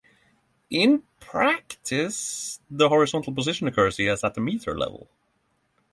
In practice, the horizontal position accuracy is at the metre level.